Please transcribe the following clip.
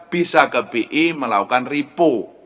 bisa ke bi melakukan repo